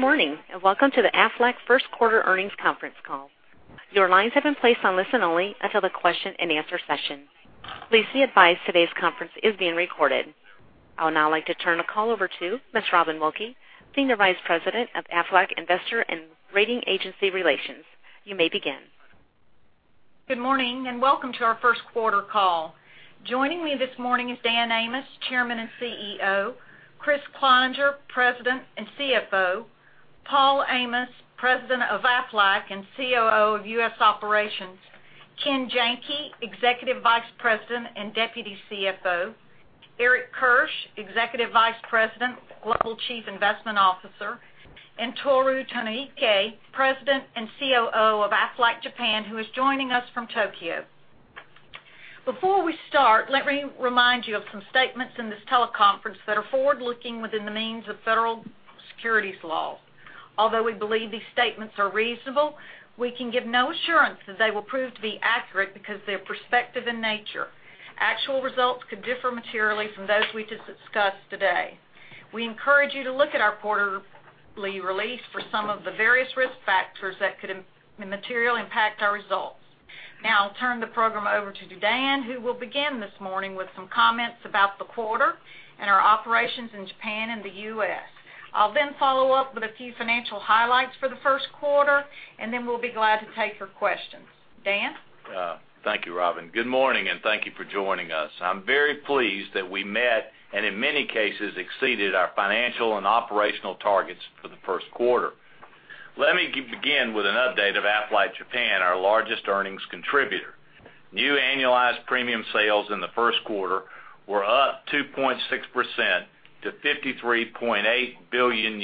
Good morning, welcome to the Aflac first quarter earnings conference call. Your lines have been placed on listen only until the question and answer session. Please be advised today's conference is being recorded. I would now like to turn the call over to Ms. Robin Wilkey, Senior Vice President of Aflac Investor and Rating Agency Relations. You may begin. Good morning, welcome to our first quarter call. Joining me this morning is Dan Amos, Chairman and CEO, Kriss Cloninger, President and CFO, Paul Amos, President of Aflac and COO of U.S. Operations, Ken Janke, Executive Vice President and Deputy CFO, Eric Kirsch, Executive Vice President, Global Chief Investment Officer, and Tohru Tonoike, President and COO of Aflac Japan, who is joining us from Tokyo. Before we start, let me remind you of some statements in this teleconference that are forward-looking within the means of federal securities laws. Although we believe these statements are reasonable, we can give no assurance that they will prove to be accurate because they are prospective in nature. Actual results could differ materially from those we just discussed today. We encourage you to look at our quarterly release for some of the various risk factors that could materially impact our results. Now I'll turn the program over to Dan, who will begin this morning with some comments about the quarter and our operations in Japan and the U.S. I'll then follow up with a few financial highlights for the first quarter, we'll be glad to take your questions. Dan? Thank you, Robin. Good morning, thank you for joining us. I'm very pleased that we met, and in many cases, exceeded our financial and operational targets for the first quarter. Let me begin with an update of Aflac Japan, our largest earnings contributor. New annualized premium sales in the first quarter were up 2.6% to ¥53.8 billion.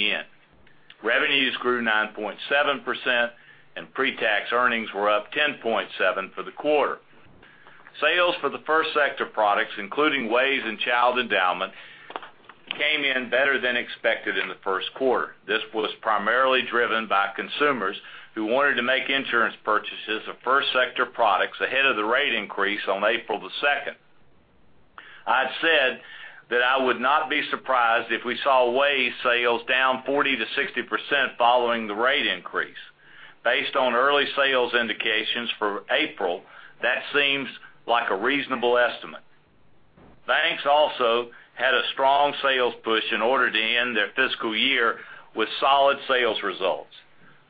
Revenues grew 9.7%, pre-tax earnings were up 10.7% for the quarter. Sales for the first sector products, including WAYS and Child Endowment, came in better than expected in the first quarter. This was primarily driven by consumers who wanted to make insurance purchases of first sector products ahead of the rate increase on April 2nd. I'd said that I would not be surprised if we saw WAYS sales down 40%-60% following the rate increase. Based on early sales indications for April, that seems like a reasonable estimate. Banks also had a strong sales push in order to end their fiscal year with solid sales results.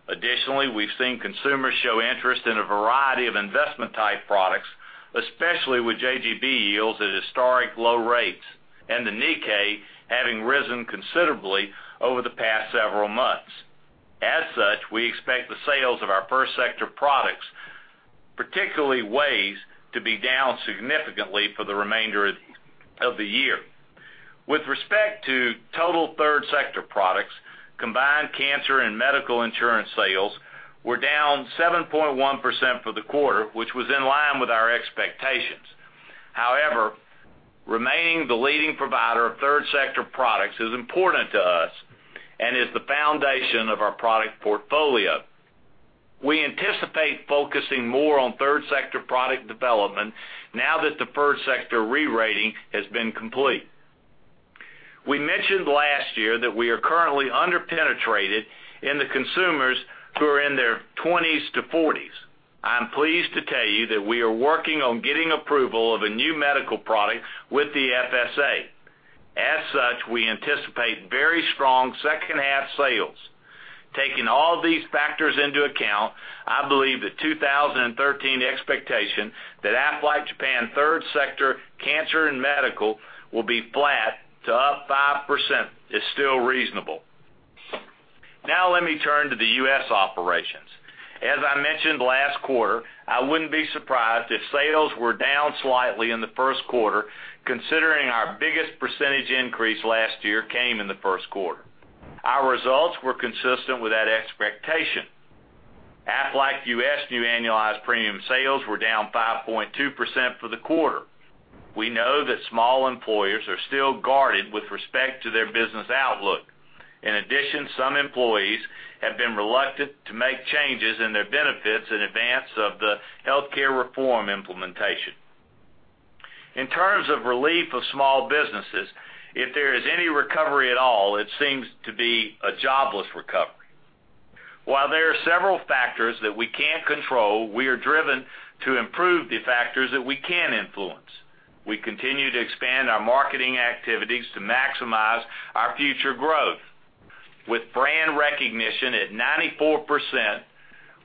Additionally, we've seen consumers show interest in a variety of investment-type products, especially with JGB yields at historic low rates and the Nikkei having risen considerably over the past several months. As such, we expect the sales of our first sector products, particularly WAYS, to be down significantly for the remainder of the year. With respect to total third sector products, combined cancer and medical insurance sales were down 7.1% for the quarter, which was in line with our expectations. However, remaining the leading provider of third sector products is important to us and is the foundation of our product portfolio. We anticipate focusing more on third sector product development now that the first sector re-rating has been complete. We mentioned last year that we are currently under-penetrated in the consumers who are in their 20s to 40s. I'm pleased to tell you that we are working on getting approval of a new medical product with the FSA. As such, we anticipate very strong second half sales. Taking all these factors into account, I believe the 2013 expectation that Aflac Japan third sector cancer and medical will be flat to up 5% is still reasonable. Now let me turn to the U.S. operations. As I mentioned last quarter, I wouldn't be surprised if sales were down slightly in the first quarter, considering our biggest percentage increase last year came in the first quarter. Our results were consistent with that expectation. Aflac U.S. new annualized premium sales were down 5.2% for the quarter. We know that small employers are still guarded with respect to their business outlook. In addition, some employees have been reluctant to make changes in their benefits in advance of the healthcare reform implementation. In terms of relief of small businesses, if there is any recovery at all, it seems to be a jobless recovery. While there are several factors that we can't control, we are driven to improve the factors that we can influence. We continue to expand our marketing activities to maximize our future growth. With brand recognition at 94%,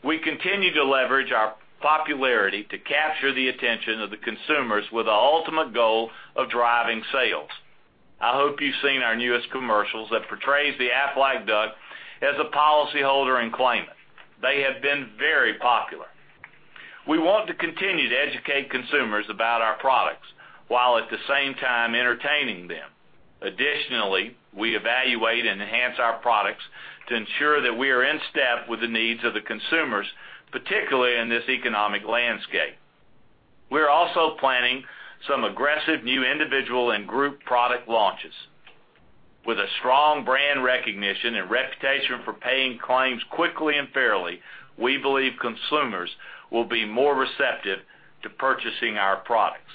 we continue to leverage our popularity to capture the attention of the consumers with the ultimate goal of driving sales. I hope you've seen our newest commercials that portrays the Aflac duck as a policyholder and claimant. They have been very popular. We want to continue to educate consumers about our products while at the same time entertaining them. Additionally, we evaluate and enhance our products to ensure that we are in step with the needs of the consumers, particularly in this economic landscape. We're also planning some aggressive new individual and group product launches. With a strong brand recognition and reputation for paying claims quickly and fairly, we believe consumers will be more receptive to purchasing our products.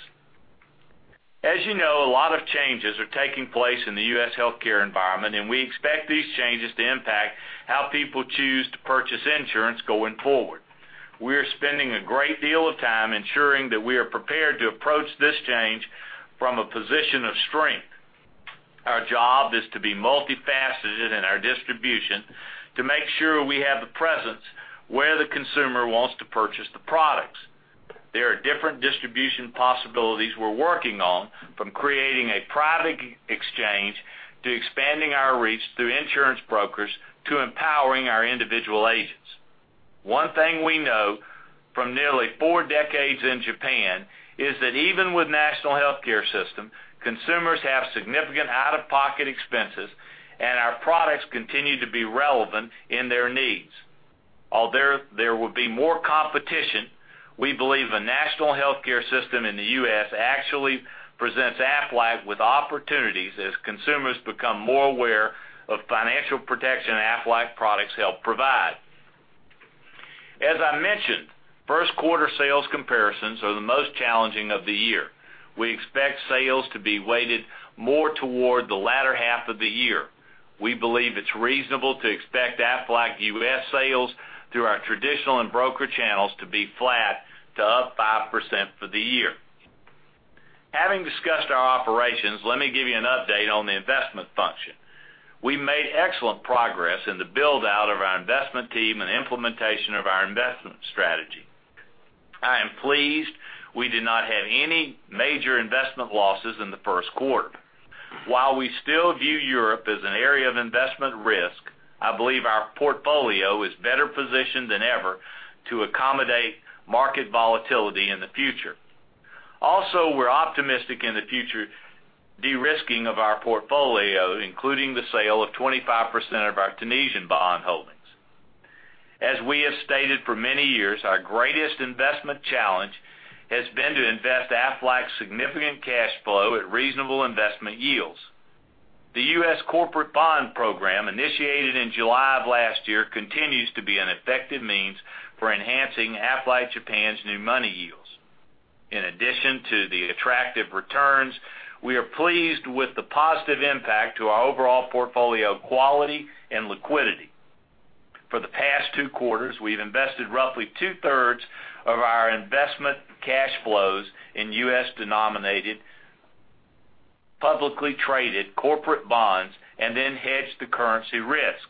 As you know, a lot of changes are taking place in the U.S. healthcare environment. We expect these changes to impact how people choose to purchase insurance going forward. We are spending a great deal of time ensuring that we are prepared to approach this change from a position of strength. Our job is to be multifaceted in our distribution to make sure we have the presence where the consumer wants to purchase the products. There are different distribution possibilities we're working on, from creating a private exchange, to expanding our reach through insurance brokers, to empowering our individual agents. One thing we know from nearly four decades in Japan is that even with national healthcare system, consumers have significant out-of-pocket expenses, and our products continue to be relevant in their needs. Although there will be more competition, we believe a national healthcare system in the U.S. actually presents Aflac with opportunities as consumers become more aware of financial protection Aflac products help provide. As I mentioned, first quarter sales comparisons are the most challenging of the year. We expect sales to be weighted more toward the latter half of the year. We believe it's reasonable to expect Aflac U.S. sales through our traditional and broker channels to be flat to up 5% for the year. Having discussed our operations, let me give you an update on the investment function. We made excellent progress in the build-out of our investment team and implementation of our investment strategy. I am pleased we did not have any major investment losses in the first quarter. While we still view Europe as an area of investment risk, I believe our portfolio is better positioned than ever to accommodate market volatility in the future. Also, we're optimistic in the future de-risking of our portfolio, including the sale of 25% of our Tunisian bond holdings. As we have stated for many years, our greatest investment challenge has been to invest Aflac's significant cash flow at reasonable investment yields. The U.S. corporate bond program, initiated in July of last year, continues to be an effective means for enhancing Aflac Japan's new money yields. In addition to the attractive returns, we are pleased with the positive impact to our overall portfolio quality and liquidity. For the past two quarters, we've invested roughly two-thirds of our investment cash flows in U.S.-denominated, publicly traded corporate bonds, and then hedged the currency risk.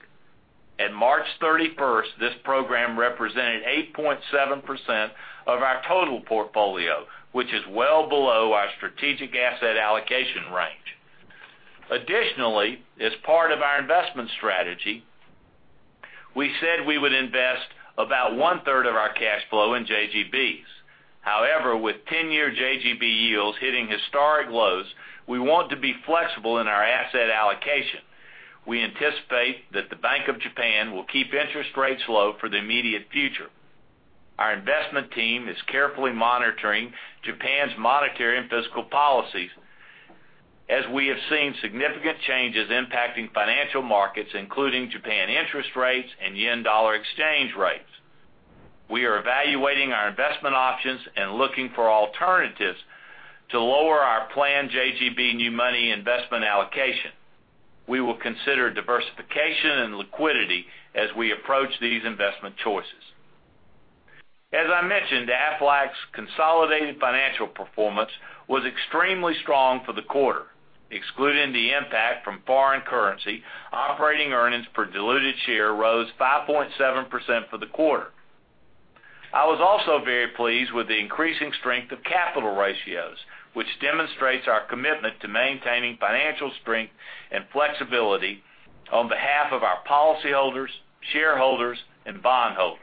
At March 31st, this program represented 8.7% of our total portfolio, which is well below our strategic asset allocation range. Additionally, as part of our investment strategy, we said we would invest about one-third of our cash flow in JGBs. However, with 10-year JGB yields hitting historic lows, we want to be flexible in our asset allocation. We anticipate that the Bank of Japan will keep interest rates low for the immediate future. Our investment team is carefully monitoring Japan's monetary and physical policies, as we have seen significant changes impacting financial markets, including Japan interest rates and JPY/USD exchange rates. We are evaluating our investment options and looking for alternatives to lower our planned JGB new money investment allocation. We will consider diversification and liquidity as we approach these investment choices. As I mentioned, Aflac's consolidated financial performance was extremely strong for the quarter. Excluding the impact from foreign currency, operating earnings per diluted share rose 5.7% for the quarter. I was also very pleased with the increasing strength of capital ratios, which demonstrates our commitment to maintaining financial strength and flexibility on behalf of our policyholders, shareholders, and bondholders.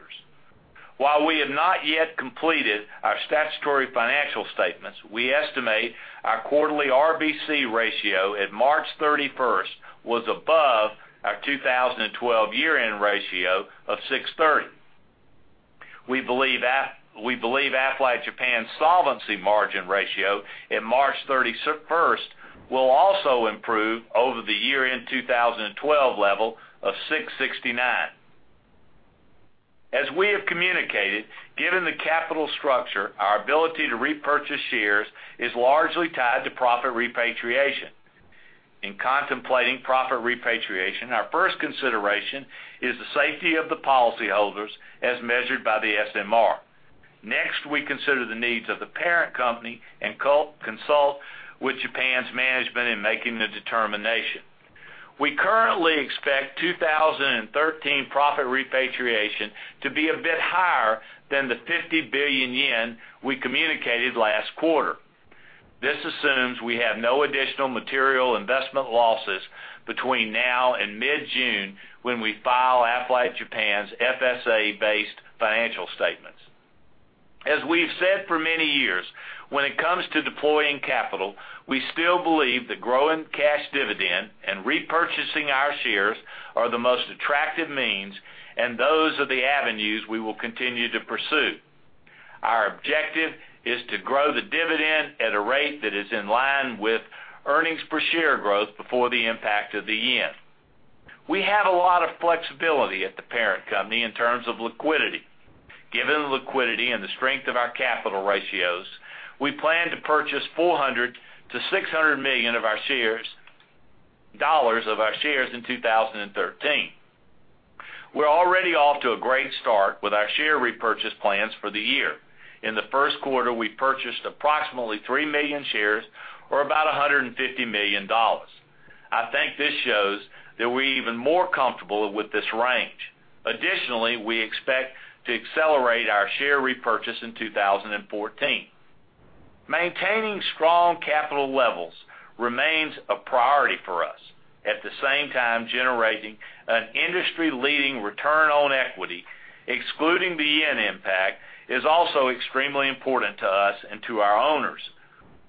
While we have not yet completed our statutory financial statements, we estimate our quarterly RBC ratio at March 31st was above our 2012 year-end ratio of 630. We believe Aflac Japan's solvency margin ratio at March 31st will also improve over the year-end 2012 level of 669. As we have communicated, given the capital structure, our ability to repurchase shares is largely tied to profit repatriation. In contemplating profit repatriation, our first consideration is the safety of the policyholders as measured by the SMR. Next, we consider the needs of the parent company and consult with Japan's management in making the determination. We currently expect 2013 profit repatriation to be a bit higher than the 50 billion yen we communicated last quarter. This assumes we have no additional material investment losses between now and mid-June, when we file Aflac Japan's FSA-based financial statements. As we've said for many years, when it comes to deploying capital, we still believe the growing cash dividend and repurchasing our shares are the most attractive means. Those are the avenues we will continue to pursue. Our objective is to grow the dividend at a rate that is in line with earnings per share growth before the impact of the yen. We have a lot of flexibility at the parent company in terms of liquidity. Given the liquidity and the strength of our capital ratios, we plan to purchase $400 million-$600 million of our shares in 2013. We're already off to a great start with our share repurchase plans for the year. In the first quarter, we purchased approximately three million shares, or about $150 million. I think this shows that we're even more comfortable with this range. Additionally, we expect to accelerate our share repurchase in 2014. Maintaining strong capital levels remains a priority for us, at the same time generating an industry-leading return on equity, excluding the yen impact, is also extremely important to us and to our owners.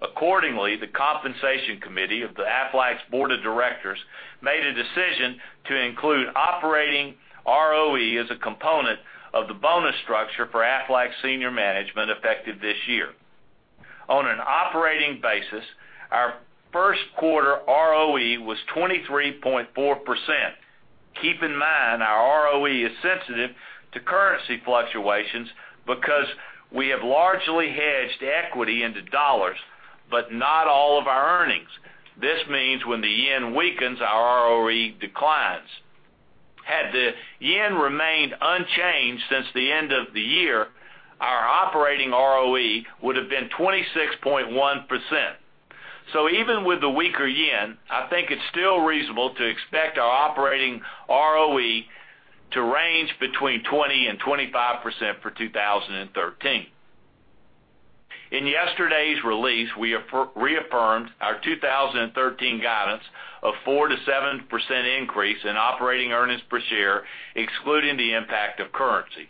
Accordingly, the compensation committee of Aflac's board of directors made a decision to include operating ROE as a component of the bonus structure for Aflac senior management effective this year. On an operating basis, our first quarter ROE was 23.4%. Keep in mind, our ROE is sensitive to currency fluctuations because we have largely hedged equity into dollars, but not all of our earnings. This means when the yen weakens, our ROE declines. Had the yen remained unchanged since the end of the year, our operating ROE would've been 26.1%. Even with the weaker yen, I think it's still reasonable to expect our operating ROE to range between 20%-25% for 2013. In yesterday's release, we reaffirmed our 2013 guidance of 4%-7% increase in operating earnings per share, excluding the impact of currency.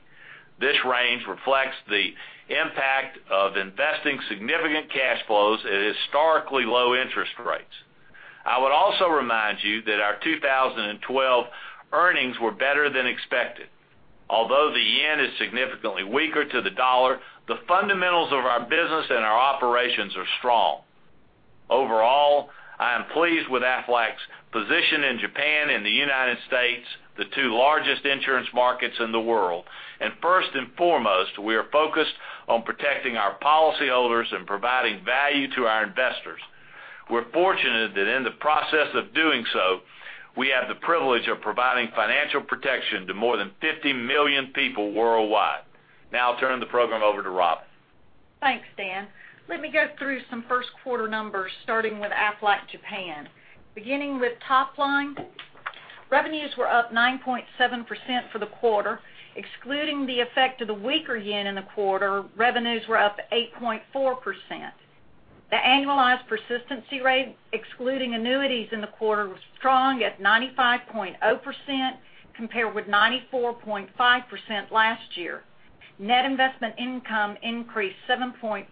This range reflects the impact of investing significant cash flows at historically low interest rates. I would also remind you that our 2012 earnings were better than expected. Although the yen is significantly weaker to the dollar, the fundamentals of our business and our operations are strong. Overall, I am pleased with Aflac's position in Japan and the United States, the two largest insurance markets in the world. First and foremost, we are focused on protecting our policyholders and providing value to our investors. We're fortunate that in the process of doing so, we have the privilege of providing financial protection to more than 50 million people worldwide. Now I'll turn the program over to Robin. Thanks, Dan. Let me go through some first quarter numbers, starting with Aflac Japan. Beginning with top line, revenues were up 9.7% for the quarter. Excluding the effect of the weaker yen in the quarter, revenues were up 8.4%. The annualized persistency rate, excluding annuities in the quarter, was strong at 95.0%, compared with 94.5% last year. Net investment income increased 7.3%.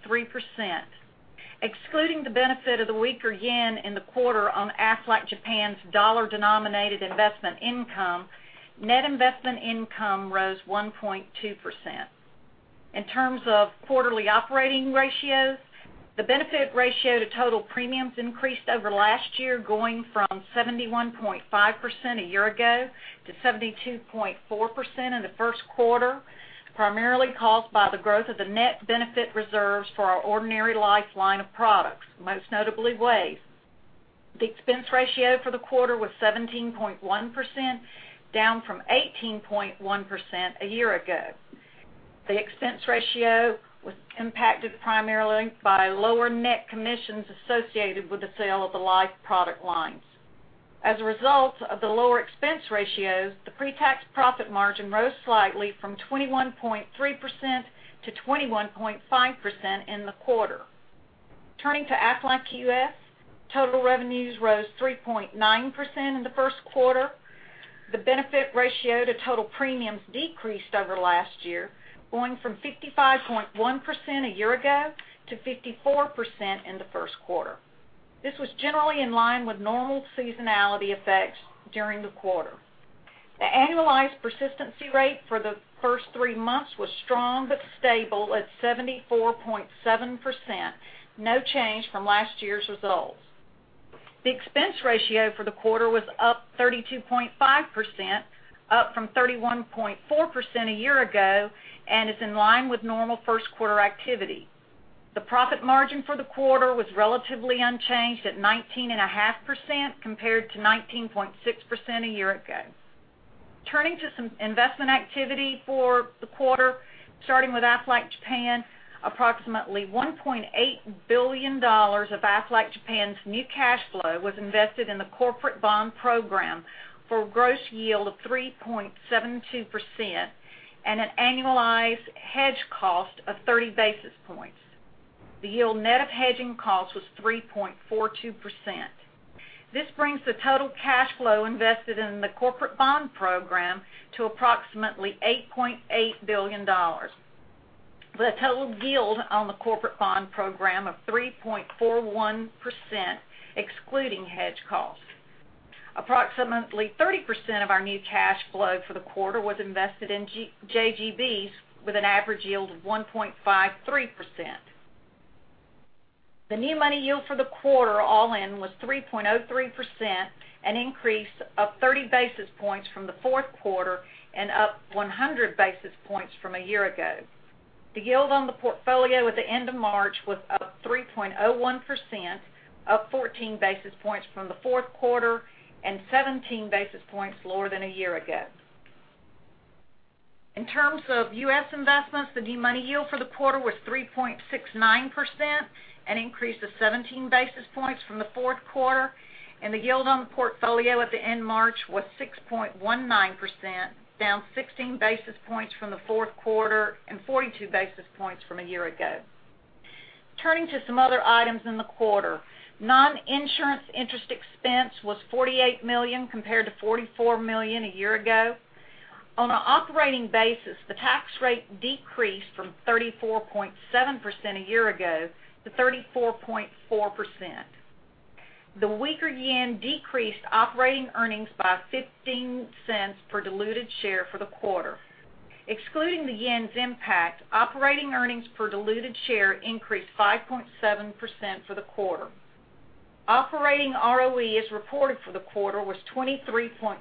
Excluding the benefit of the weaker yen in the quarter on Aflac Japan's dollar-denominated investment income, net investment income rose 1.2%. In terms of quarterly operating ratios, the benefit ratio to total premiums increased over last year, going from 71.5% a year ago to 72.4% in the first quarter, primarily caused by the growth of the net benefit reserves for our ordinary life line of products, most notably WAYS. The expense ratio for the quarter was 17.1%, down from 18.1% a year ago. The expense ratio was impacted primarily by lower net commissions associated with the sale of the life product lines. As a result of the lower expense ratios, the pre-tax profit margin rose slightly from 21.3% to 21.5% in the quarter. Turning to Aflac U.S., total revenues rose 3.9% in the first quarter. The benefit ratio to total premiums decreased over last year, going from 55.1% a year ago to 54% in the first quarter. This was generally in line with normal seasonality effects during the quarter. The annualized persistency rate for the first three months was strong but stable at 74.7%, no change from last year's results. The expense ratio for the quarter was up 32.5%, up from 31.4% a year ago, and is in line with normal first quarter activity. The profit margin for the quarter was relatively unchanged at 19.5%, compared to 19.6% a year ago. Turning to some investment activity for the quarter, starting with Aflac Japan, approximately $1.8 billion of Aflac Japan's new cash flow was invested in the corporate bond program for a gross yield of 3.72% and an annualized hedge cost of 30 basis points. The yield net of hedging cost was 3.42%. This brings the total cash flow invested in the corporate bond program to approximately $8.8 billion, with a total yield on the corporate bond program of 3.41%, excluding hedge costs. Approximately 30% of our new cash flow for the quarter was invested in JGBs with an average yield of 1.53%. The new money yield for the quarter all-in was 3.03%, an increase of 30 basis points from the fourth quarter and up 100 basis points from a year ago. The yield on the portfolio at the end of March was up 3.01%, up 14 basis points from the fourth quarter and 17 basis points lower than a year ago. In terms of U.S. investments, the new money yield for the quarter was 3.69%, an increase of 17 basis points from the fourth quarter, and the yield on the portfolio at the end of March was 6.19%, down 16 basis points from the fourth quarter and 42 basis points from a year ago. Turning to some other items in the quarter. Non-insurance interest expense was $48 million compared to $44 million a year ago. On an operating basis, the tax rate decreased from 34.7% a year ago to 34.4%. The weaker yen decreased operating earnings by $0.15 per diluted share for the quarter. Excluding the yen's impact, operating earnings per diluted share increased 5.7% for the quarter. Operating ROE as reported for the quarter was 23.4%.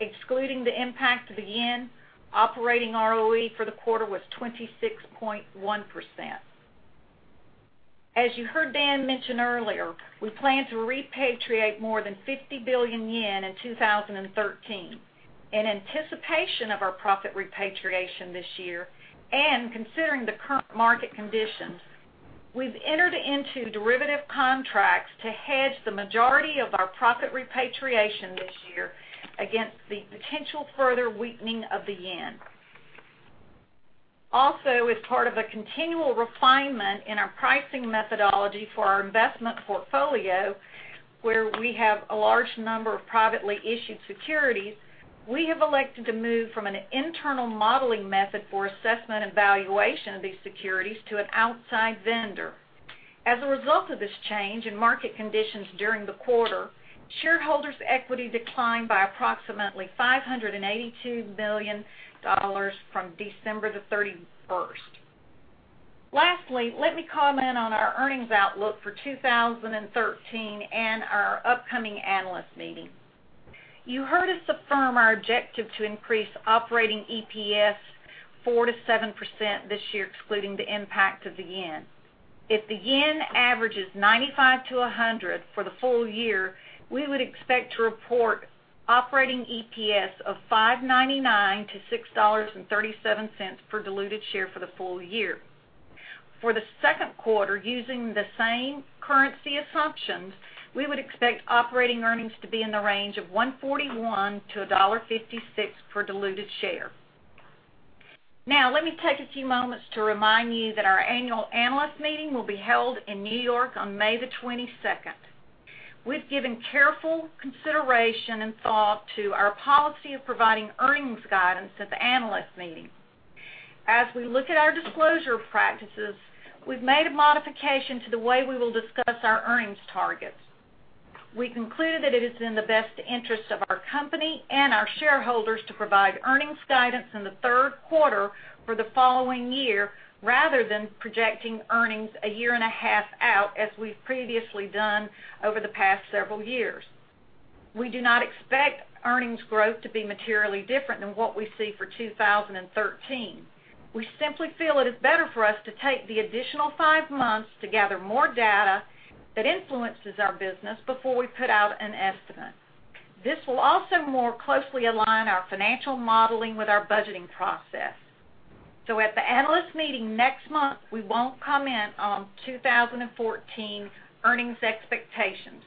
Excluding the impact of the yen, operating ROE for the quarter was 26.1%. As you heard Dan mention earlier, we plan to repatriate more than 50 billion yen in 2013. In anticipation of our profit repatriation this year, and considering the current market conditions, we've entered into derivative contracts to hedge the majority of our profit repatriation this year against the potential further weakening of the yen. Also, as part of a continual refinement in our pricing methodology for our investment portfolio, where we have a large number of privately issued securities, we have elected to move from an internal modeling method for assessment and valuation of these securities to an outside vendor. As a result of this change in market conditions during the quarter, shareholders' equity declined by approximately $582 million from December the 31st. Lastly, let me comment on our earnings outlook for 2013 and our upcoming analyst meeting. You heard us affirm our objective to increase operating EPS 4% to 7% this year, excluding the impact of the yen. If the yen averages 95 to 100 for the full year, we would expect to report operating EPS of $5.99 to $6.37 per diluted share for the full year. For the second quarter, using the same currency assumptions, we would expect operating earnings to be in the range of $1.41 to $1.56 per diluted share. Let me take a few moments to remind you that our annual analyst meeting will be held in New York on May the 22nd. We've given careful consideration and thought to our policy of providing earnings guidance at the analyst meeting. As we look at our disclosure practices, we've made a modification to the way we will discuss our earnings targets. We concluded that it is in the best interest of our company and our shareholders to provide earnings guidance in the third quarter for the following year, rather than projecting earnings a year and a half out, as we've previously done over the past several years. We do not expect earnings growth to be materially different than what we see for 2013. We simply feel it is better for us to take the additional five months to gather more data that influences our business before we put out an estimate. This will also more closely align our financial modeling with our budgeting process. At the analyst meeting next month, we won't comment on 2014 earnings expectations.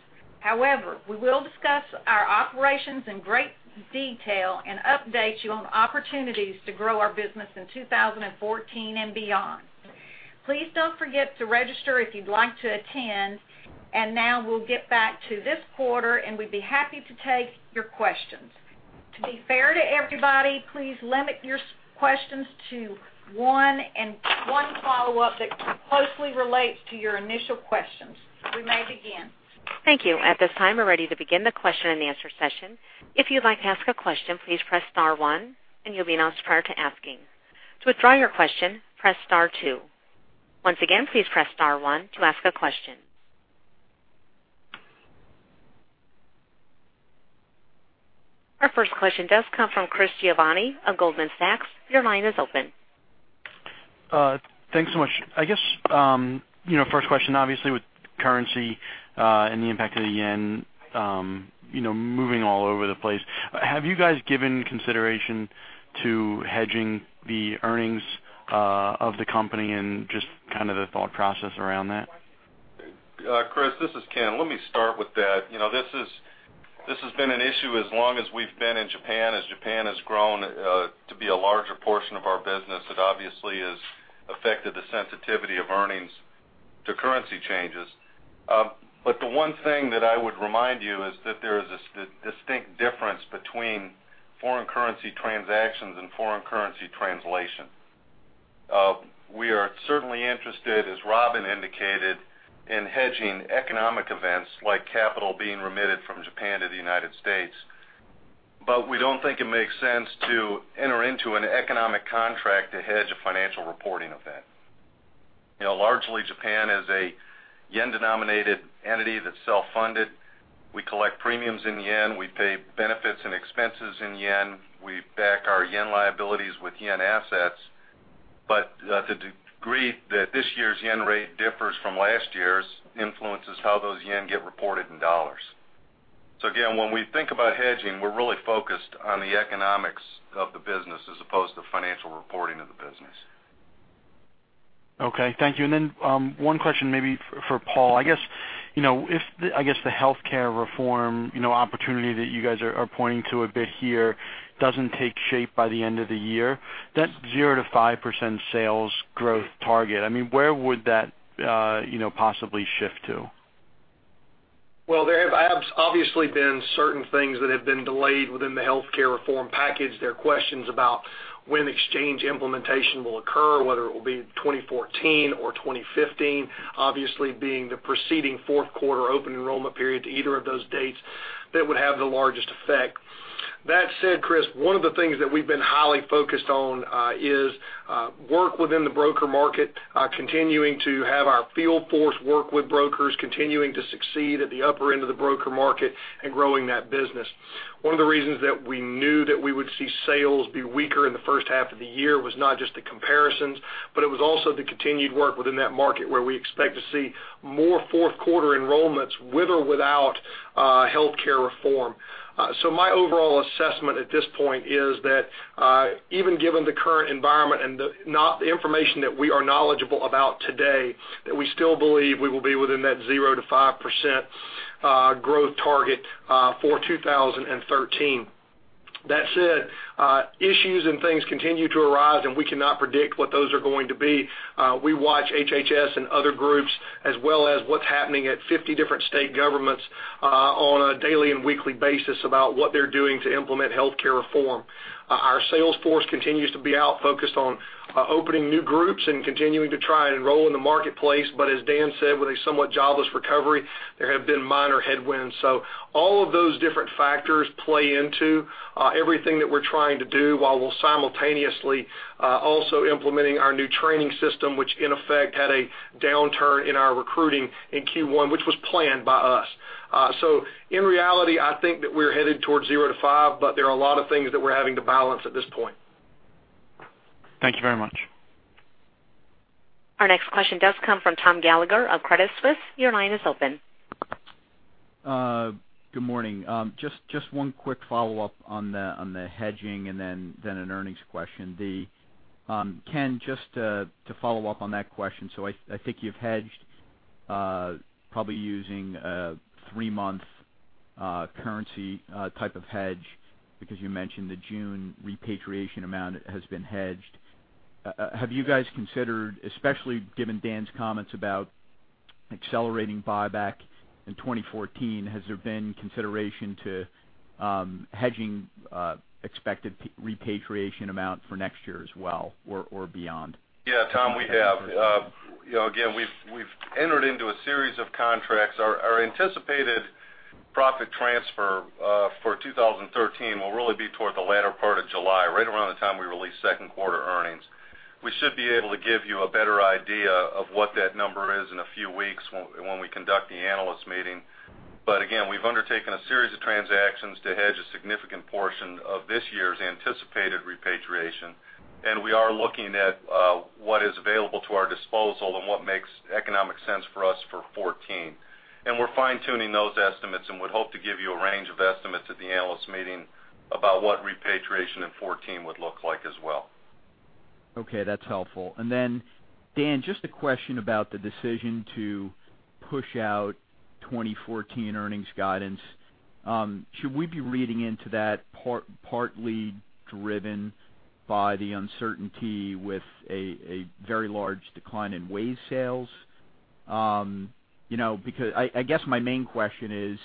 We will discuss our operations in great detail and update you on opportunities to grow our business in 2014 and beyond. Please don't forget to register if you'd like to attend, now we'll get back to this quarter, and we'd be happy to take your questions. To be fair to everybody, please limit your questions to one and one follow-up that closely relates to your initial questions. We may begin. Thank you. At this time, we're ready to begin the question and answer session. If you'd like to ask a question, please press star one and you'll be announced prior to asking. To withdraw your question, press star two. Once again, please press star one to ask a question. Our first question does come from Christopher Giovanni of Goldman Sachs. Your line is open. Thanks so much. I guess, first question, obviously, with currency and the impact of the yen moving all over the place, have you guys given consideration to hedging the earnings of the company and just kind of the thought process around that? Chris, this is Ken. Let me start with that. This has been an issue as long as we've been in Japan. As Japan has grown to be a larger portion of our business, it obviously has affected the sensitivity of earnings to currency changes. The one thing that I would remind you of is that there is a distinct difference between foreign currency transactions and foreign currency translation. We are certainly interested, as Robin indicated, in hedging economic events like capital being remitted from Japan to the United States. We don't think it makes sense to enter into an economic contract to hedge a financial reporting event. Largely, Japan is a yen-denominated entity that's self-funded. We collect premiums in yen. We pay benefits and expenses in yen. We back our yen liabilities with yen assets. The degree that this year's yen rate differs from last year's influences how those yen get reported in dollars. Again, when we think about hedging, we're really focused on the economics of the business as opposed to financial reporting of the business. Okay. Thank you. One question maybe for Paul. I guess, if the healthcare reform opportunity that you guys are pointing to a bit here doesn't take shape by the end of the year, that 0%-5% sales growth target, where would that possibly shift to? Well, there have obviously been certain things that have been delayed within the healthcare reform package. There are questions about when exchange implementation will occur, whether it will be 2014 or 2015. Obviously, being the preceding fourth quarter open enrollment period to either of those dates, that would have the largest effect. That said, Chris, one of the things that we've been highly focused on is work within the broker market, continuing to have our field force work with brokers, continuing to succeed at the upper end of the broker market and growing that business. One of the reasons that we knew that we would see sales be weaker in the first half of the year was not just the comparisons, but it was also the continued work within that market where we expect to see more fourth quarter enrollments with or without healthcare reform. My overall assessment at this point is that, even given the current environment and the information that we are knowledgeable about today, that we still believe we will be within that 0%-5% growth target for 2013. That said, issues and things continue to arise, and we cannot predict what those are going to be. We watch HHS and other groups, as well as what's happening at 50 different state governments on a daily and weekly basis about what they're doing to implement healthcare reform. Our sales force continues to be out focused on opening new groups and continuing to try and enroll in the marketplace. As Dan said, with a somewhat jobless recovery, there have been minor headwinds. All of those different factors play into everything that we're trying to do, while we're simultaneously also implementing our new training system, which in effect had a downturn in our recruiting in Q1, which was planned by us. In reality, I think that we're headed towards 0%-5%, there are a lot of things that we're having to balance at this point. Thank you very much. Our next question does come from Thomas Gallagher of Credit Suisse. Your line is open. Good morning. Just one quick follow-up on the hedging and then an earnings question. Ken, just to follow up on that question, I think you've hedged probably using a three-month currency type of hedge because you mentioned the June repatriation amount has been hedged. Have you guys considered, especially given Dan's comments about accelerating buyback in 2014, has there been consideration to hedging expected repatriation amount for next year as well or beyond? Yeah, Tom, we have. Again, we've entered into a series of contracts. Our anticipated profit transfer for 2013 will really be toward the latter part of July, right around the time we release second quarter earnings. We should be able to give you a better idea of what that number is in a few weeks when we conduct the analyst meeting. Again, we've undertaken a series of transactions to hedge a significant portion of this year's anticipated repatriation, and we are looking at what is available to our disposal and what makes economic sense for us for 2014. We're fine-tuning those estimates and would hope to give you a range of estimates at the analyst meeting about what repatriation in 2014 would look like as well. That's helpful. Dan, just a question about the decision to push out 2014 earnings guidance. Should we be reading into that partly driven by the uncertainty with a very large decline in WAYS sales? I guess my main question is,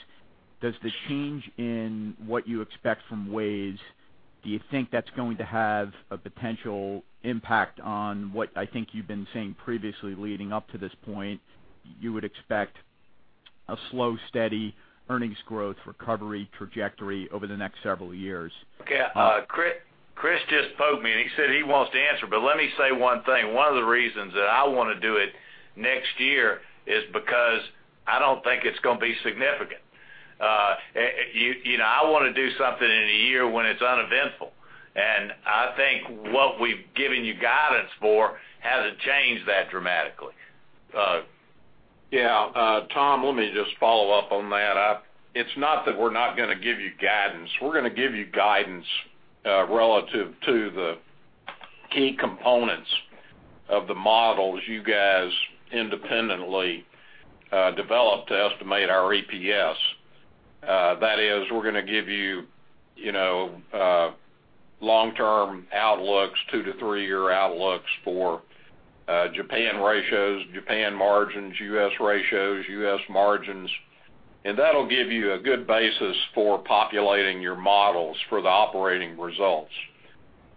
does the change in what you expect from WAYS, do you think that's going to have a potential impact on what I think you've been saying previously leading up to this point, you would expect a slow, steady earnings growth recovery trajectory over the next several years? Okay. Kriss just poked me, he said he wants to answer, let me say one thing. One of the reasons that I want to do it next year is because I don't think it's going to be significant. I want to do something in a year when it's uneventful, I think what we've given you guidance for hasn't changed that dramatically. Yeah. Tom, let me just follow up on that. It's not that we're not going to give you guidance. We're going to give you guidance relative to the key components of the models you guys independently developed to estimate our EPS. That is, we're going to give you long-term outlooks, two-to-three-year outlooks for Japan ratios, Japan margins, U.S. ratios, U.S. margins, that'll give you a good basis for populating your models for the operating results.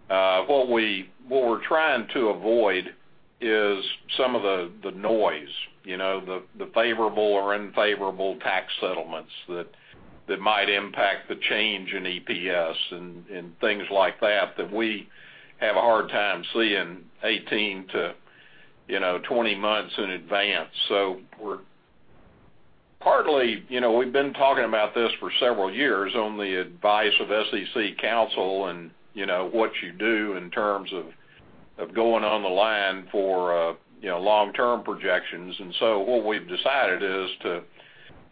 What we're trying to avoid is some of the noise, the favorable or unfavorable tax settlements that might impact the change in EPS and things like that we have a hard time seeing 18-20 months in advance. We've been talking about this for several years on the advice of SEC counsel and what you do in terms of going on the line for long-term projections. What we've decided is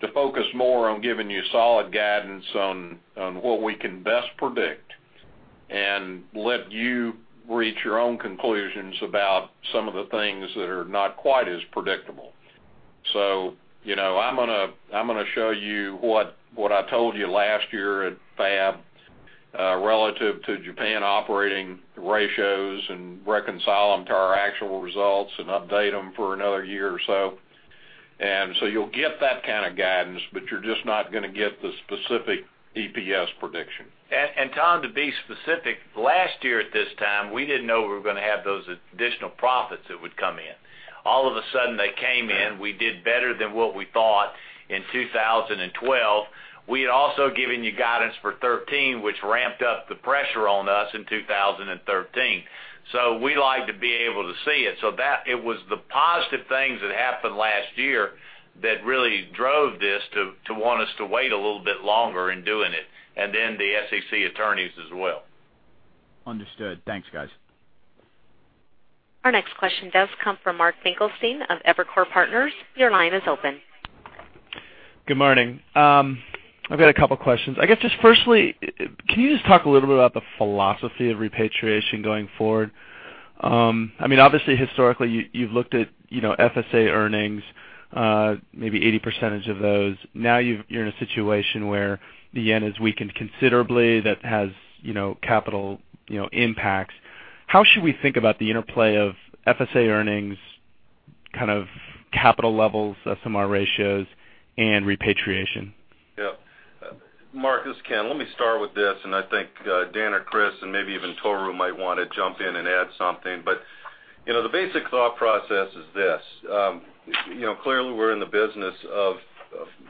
to focus more on giving you solid guidance on what we can best predict and let you reach your own conclusions about some of the things that are not quite as predictable. I'm going to show you what I told you last year at FAB relative to Japan operating ratios and reconcile them to our actual results and update them for another year or so. You'll get that kind of guidance, you're just not going to get the specific EPS prediction. Tom, to be specific, last year at this time, we didn't know we were going to have those additional profits that would come in. All of a sudden, they came in. We did better than what we thought in 2012. We had also given you guidance for 2013, which ramped up the pressure on us in 2013. We like to be able to see it, so it was the positive things that happened last year that really drove this to want us to wait a little bit longer in doing it, and then the SEC attorneys as well. Understood. Thanks, guys. Our next question does come from Mark Finkelstein of Evercore Partners. Your line is open. Good morning. I've got a couple questions. I guess, just firstly, can you just talk a little bit about the philosophy of repatriation going forward? Obviously, historically, you've looked at FSA earnings, maybe 80% of those. Now you're in a situation where the yen has weakened considerably that has capital impacts. How should we think about the interplay of FSA earnings, kind of capital levels, SMR ratios, and repatriation? Mark, this is Ken. Let me start with this, and I think Dan or Kriss, and maybe even Tohru might want to jump in and add something. The basic thought process is this. Clearly we're in the business of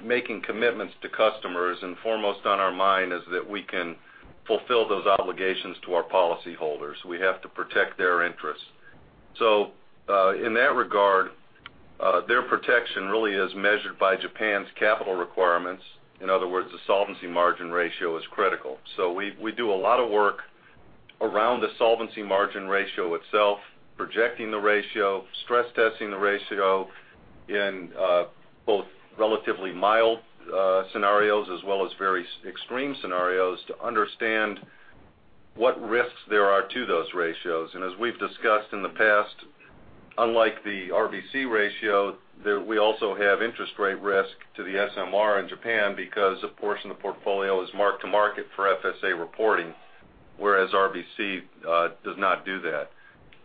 making commitments to customers, and foremost on our mind is that we can fulfill those obligations to our policyholders. We have to protect their interests. In that regard, their protection really is measured by Japan's capital requirements. In other words, the solvency margin ratio is critical. We do a lot of work around the solvency margin ratio itself, projecting the ratio, stress testing the ratio in both relatively mild scenarios as well as very extreme scenarios to understand what risks there are to those ratios. As we've discussed in the past, unlike the RBC ratio, we also have interest rate risk to the SMR in Japan because a portion of the portfolio is mark-to-market for FSA reporting, whereas RBC does not do that.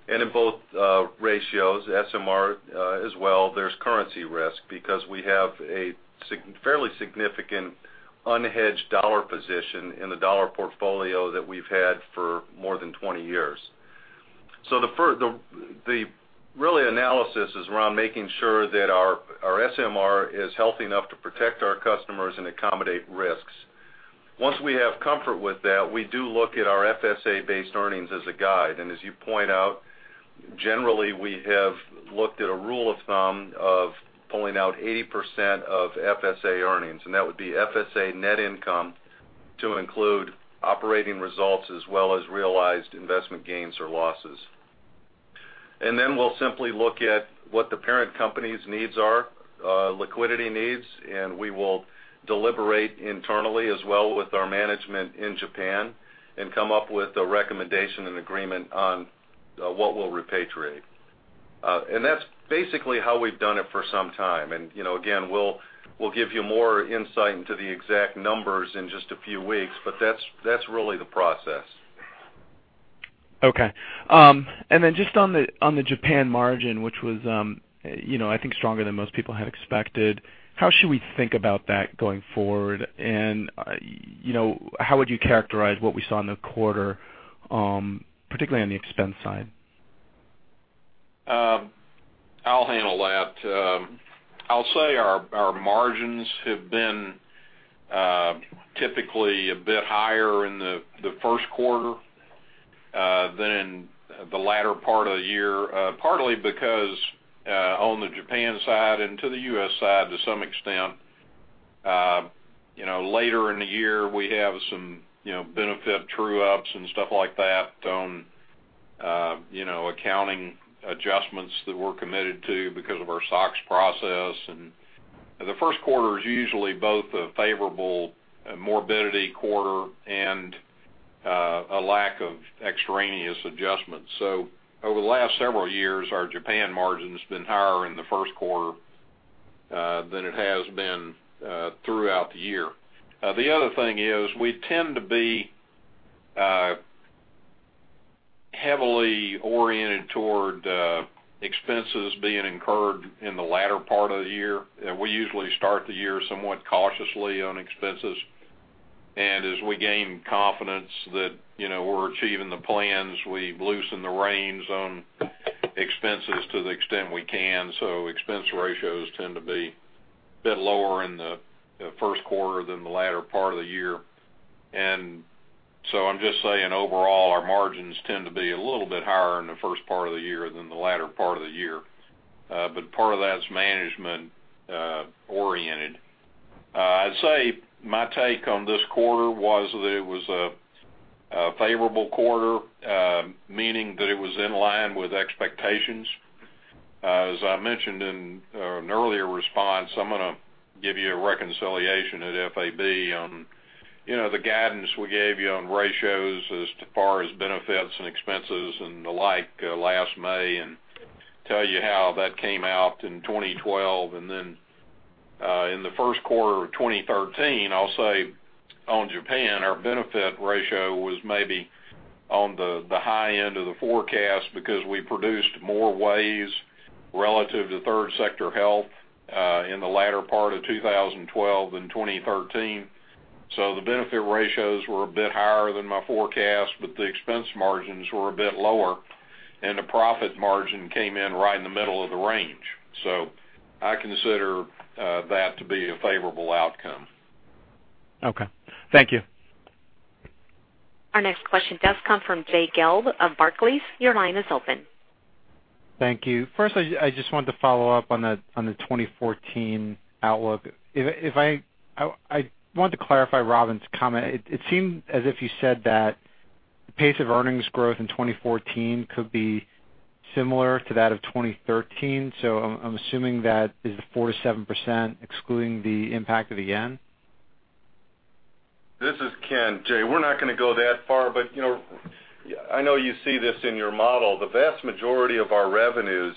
In both ratios, SMR as well, there's currency risk because we have a fairly significant unhedged dollar position in the dollar portfolio that we've had for more than 20 years. Really the analysis is around making sure that our SMR is healthy enough to protect our customers and accommodate risks. Once we have comfort with that, we do look at our FSA-based earnings as a guide. As you point out, generally we have looked at a rule of thumb of pulling out 80% of FSA earnings, and that would be FSA net income to include operating results as well as realized investment gains or losses. We'll simply look at what the parent company's needs are, liquidity needs, and we will deliberate internally as well with our management in Japan and come up with a recommendation and agreement on what we'll repatriate. That's basically how we've done it for some time. Again, we'll give you more insight into the exact numbers in just a few weeks, that's really the process. Okay. Just on the Japan margin, which was I think stronger than most people had expected, how should we think about that going forward? How would you characterize what we saw in the quarter, particularly on the expense side? I'll handle that. I'll say our margins have been typically a bit higher in the first quarter than in the latter part of the year, partly because on the Japan side and to the U.S. side to some extent, later in the year we have some benefit true-ups and stuff like that on accounting adjustments that we're committed to because of our SOX process. The first quarter is usually both a favorable morbidity quarter and a lack of extraneous adjustments. Over the last several years, our Japan margin's been higher in the first quarter than it has been throughout the year. The other thing is we tend to be heavily oriented toward expenses being incurred in the latter part of the year. We usually start the year somewhat cautiously on expenses. As we gain confidence that we're achieving the plans, we loosen the reins on expenses to the extent we can. Expense ratios tend to be a bit lower in the first quarter than the latter part of the year. I'm just saying, overall, our margins tend to be a little bit higher in the first part of the year than the latter part of the year. Part of that's management oriented. I'd say my take on this quarter was that it was a favorable quarter, meaning that it was in line with expectations. As I mentioned in an earlier response, I'm going to give you a reconciliation at FAB on the guidance we gave you on ratios as far as benefits and expenses and the like last May and tell you how that came out in 2012. In the first quarter of 2013, I'll say on Japan, our benefit ratio was maybe on the high end of the forecast because we produced more WAYS relative to third sector health in the latter part of 2012 than 2013. The benefit ratios were a bit higher than my forecast, but the expense margins were a bit lower, and the profit margin came in right in the middle of the range. I consider that to be a favorable outcome. Okay. Thank you. Our next question does come from Jay Gelb of Barclays. Your line is open. Thank you. First, I just wanted to follow up on the 2014 outlook. I want to clarify Robin's comment. It seemed as if you said that the pace of earnings growth in 2014 could be similar to that of 2013. I'm assuming that is the 47% excluding the impact of the JPY? This is Ken. Jay, we're not going to go that far. I know you see this in your model. The vast majority of our revenues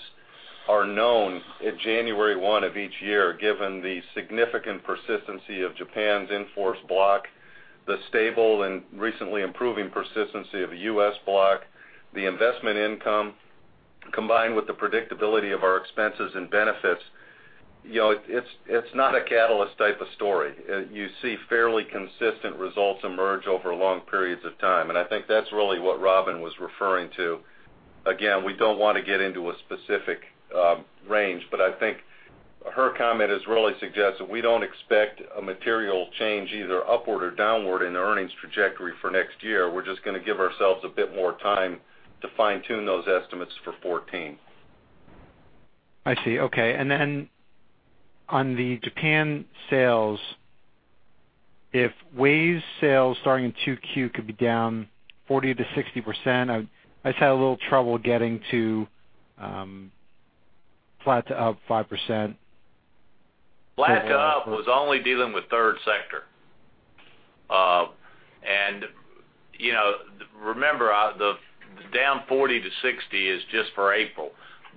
are known at January 1 of each year, given the significant persistency of Aflac Japan's in-force block, the stable and recently improving persistency of the U.S. block, the investment income, combined with the predictability of our expenses and benefits. It's not a catalyst type of story. You see fairly consistent results emerge over long periods of time. I think that's really what Robin was referring to. Again, we don't want to get into a specific range. I think her comment is really suggesting we don't expect a material change, either upward or downward in the earnings trajectory for next year. We're just going to give ourselves a bit more time to fine-tune those estimates for 2014. I see. Okay. On the Aflac Japan sales, if WAYS sales starting in 2Q could be down 40%-60%, I just had a little trouble getting to flat to up 5%. Flat to up was only dealing with third sector. Remember, the down 40%-60% is just for April.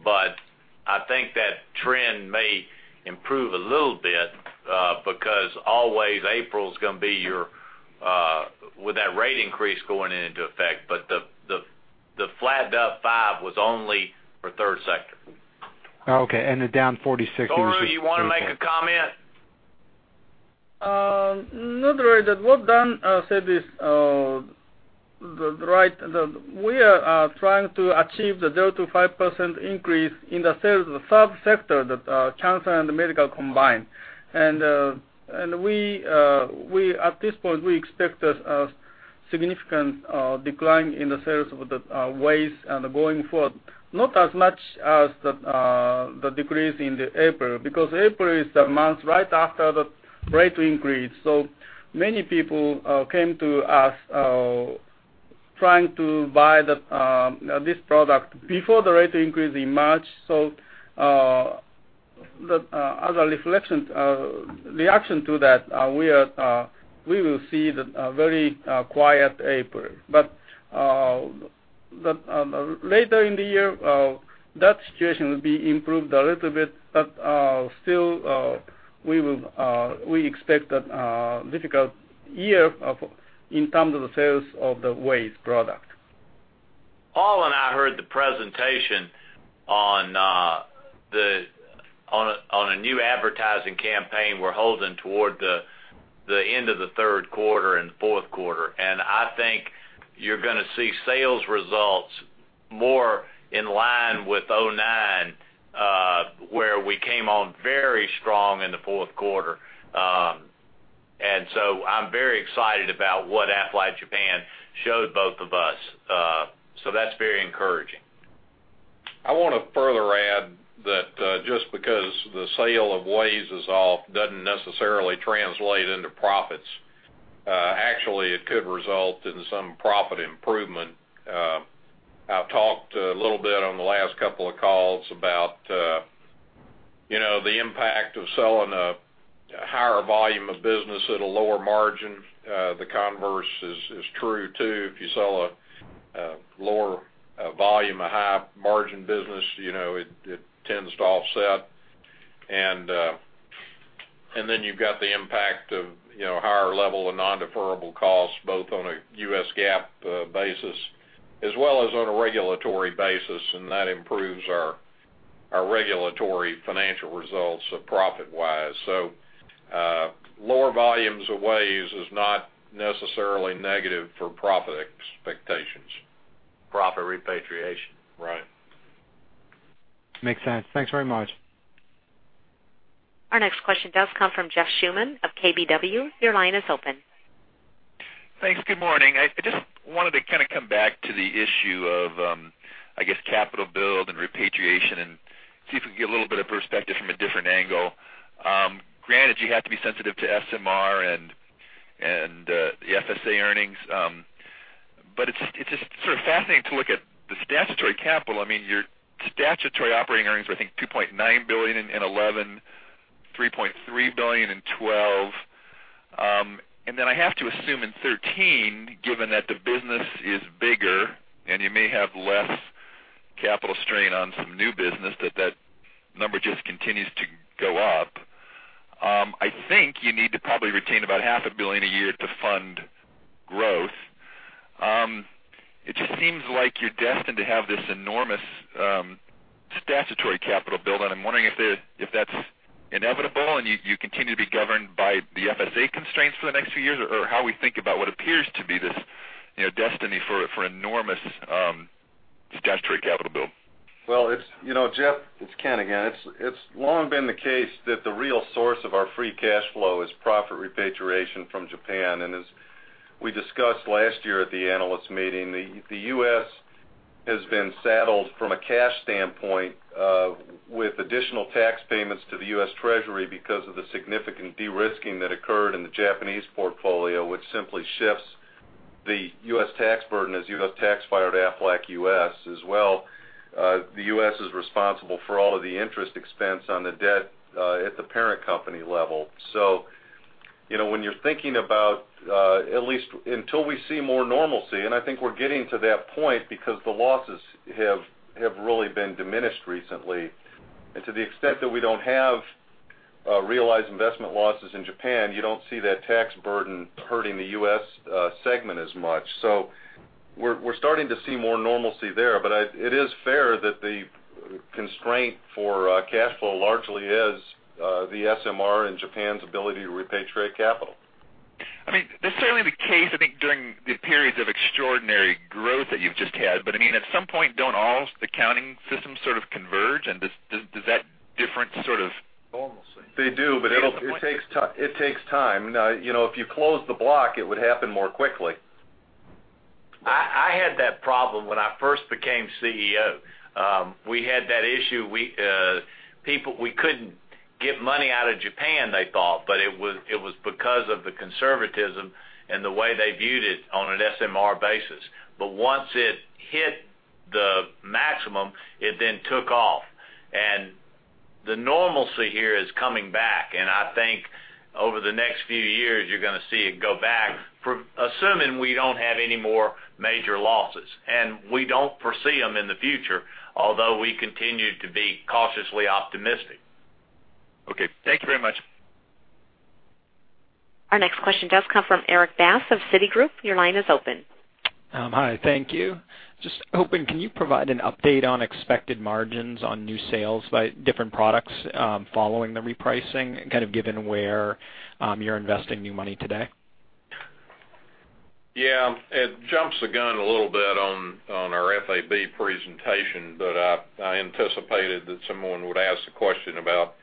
I think that trend may improve a little bit, because always April is going to be with that rate increase going into effect. The flat to up 5% was only for third sector. Okay, the down 46% was- Tohru, you want to make a comment? Not really. What Dan said is right. We are trying to achieve the 0%-5% increase in the sales of the third sector, that are cancer and medical combined. At this point, we expect a significant decline in the sales of the WAYS going forward. Not as much as the decrease in April, because April is the month right after the rate increase. Many people came to us trying to buy this product before the rate increase in March. As a reaction to that, we will see a very quiet April. Later in the year, that situation will be improved a little bit, but still, we expect a difficult year in terms of the sales of the WAYS product. Paul and I heard the presentation on a new advertising campaign we're holding toward the end of the third quarter and the fourth quarter. I think you're going to see sales results more in line with 2009, where we came on very strong in the fourth quarter. I'm very excited about what Aflac Japan showed both of us. That's very encouraging. I want to further add that just because the sale of WAYS is off doesn't necessarily translate into profits. Actually, it could result in some profit improvement. I've talked a little bit on the last couple of calls about the impact of selling a higher volume of business at a lower margin. The converse is true, too. If you sell a lower volume of high margin business, it tends to offset. Then you've got the impact of higher level of non-deferrable costs, both on a U.S. GAAP basis as well as on a regulatory basis, and that improves our Our regulatory financial results are profit-wise. Lower volumes of WAYS is not necessarily negative for profit expectations. Profit repatriation. Right. Makes sense. Thanks very much. Our next question does come from Jeff Schuman of KBW. Your line is open. Thanks. Good morning. I just wanted to kind of come back to the issue of, I guess, capital build and repatriation and see if we can get a little bit of perspective from a different angle. Granted, you have to be sensitive to SMR and the FSA earnings, but it's just sort of fascinating to look at the statutory capital. I mean, your statutory operating earnings were, I think, $2.9 billion in 2011, $3.3 billion in 2012. Then I have to assume in 2013, given that the business is bigger and you may have less capital strain on some new business, that number just continues to go up. I think you need to probably retain about half a billion USD a year to fund growth. It just seems like you're destined to have this enormous statutory capital build. I'm wondering if that's inevitable and you continue to be governed by the FSA constraints for the next few years, or how we think about what appears to be this destiny for enormous statutory capital build. Well, Jeff, it's Ken again. It's long been the case that the real source of our free cash flow is profit repatriation from Japan. As we discussed last year at the analyst meeting, the U.S. has been saddled from a cash standpoint with additional tax payments to the U.S. Treasury because of the significant de-risking that occurred in the Japanese portfolio, which simply shifts the U.S. tax burden as U.S. tax filed Aflac US as well. The U.S. is responsible for all of the interest expense on the debt at the parent company level. When you're thinking about at least until we see more normalcy, and I think we're getting to that point because the losses have really been diminished recently. To the extent that we don't have realized investment losses in Japan, you don't see that tax burden hurting the U.S. segment as much. We're starting to see more normalcy there, but it is fair that the constraint for cash flow largely is the SMR and Japan's ability to repatriate capital. That's certainly the case, I think, during the periods of extraordinary growth that you've just had. I mean, at some point, don't all the accounting systems sort of converge, and does that difference sort of normalcy? They do, but it takes time. If you close the block, it would happen more quickly. I had that problem when I first became CEO. We had that issue. We couldn't get money out of Japan, they thought, but it was because of the conservatism and the way they viewed it on an SMR basis. Once it hit the maximum, it then took off. The normalcy here is coming back, and I think over the next few years, you're going to see it go back for assuming we don't have any more major losses, and we don't foresee them in the future, although we continue to be cautiously optimistic. Okay. Thank you very much. Our next question does come from Eric Bass of Citigroup. Your line is open. Hi, thank you. Just hoping, can you provide an update on expected margins on new sales by different products following the repricing, kind of given where you're investing new money today? It jumps the gun a little bit on our FAB presentation, but I anticipated that someone would ask the question about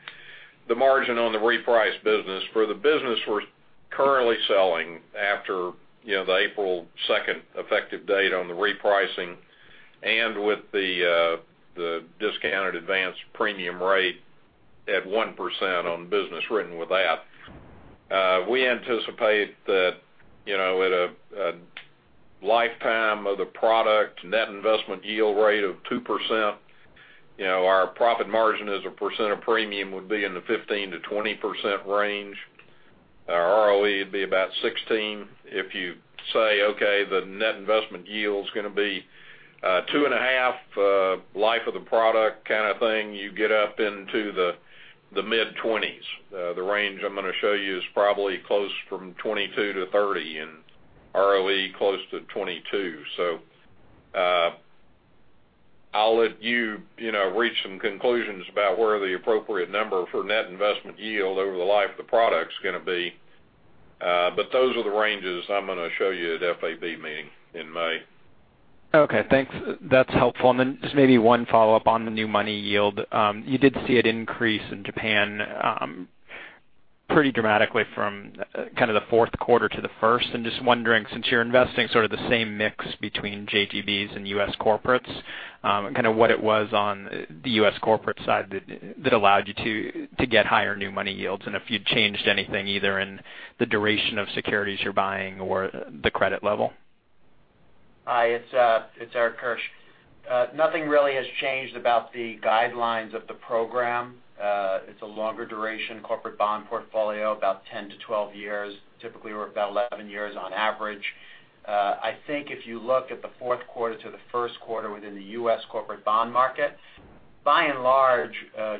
the margin on the reprice business. For the business we're currently selling after the April 2nd effective date on the repricing and with the discounted advance premium rate at 1% on business written with that. We anticipate that at a lifetime of the product net investment yield rate of 2%, our profit margin as a percent of premium would be in the 15%-20% range. Our ROE would be about 16. If you say, okay, the net investment yield's going to be two and a half life of the product kind of thing, you get up into the mid-20s. The range I'm going to show you is probably close from 22-30, and ROE close to 22. I'll let you reach some conclusions about where the appropriate number for net investment yield over the life of the product's going to be. But those are the ranges I'm going to show you at FAB meeting in May. Okay, thanks. That's helpful. Just maybe one follow-up on the new money yield. You did see it increase in Japan pretty dramatically from kind of the fourth quarter to the first. Just wondering, since you're investing sort of the same mix between JGBs and U.S. corporates kind of what it was on the U.S. corporate side that allowed you to get higher new money yields, and if you'd changed anything either in the duration of securities you're buying or the credit level. Hi, it's Eric Kirsch. Nothing really has changed about the guidelines of the program. It's a longer duration corporate bond portfolio, about 10-12 years. Typically, we're about 11 years on average. I think if you look at the fourth quarter to the first quarter within the U.S. corporate bond market, by and large,